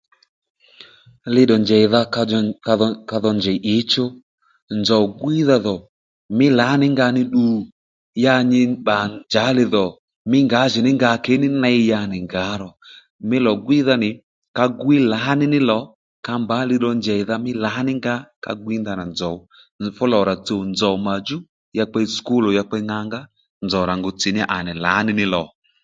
Li dò njèydha kadho kadho kadho njèy ǐchú nzòw gwíydha dhò mí lǎní nga ní ddu? Ya nyi bbà njàddí li dhò mí ngǎjì ní nga kě nì ney ya nì ngǎ ro mí lò gwíydha nì ka gwiy lǎní ní lò ka mbǎ li ró njèydha mí lǎní nga ka gwíy ndanà nzòw fú lò rà tsùw nzòw mà djú ya kpe sùkúl ò ya kpe ŋa ngá nzòw rà ngu tsì à nì lǎní ní lò